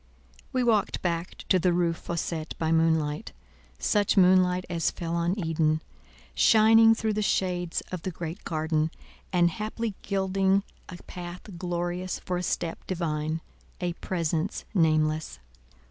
We walked back to the Rue Fossette by moonlight—such moonlight as fell on Eden—shining through the shades of the Great Garden, and haply gilding a path glorious for a step divine—a Presence nameless.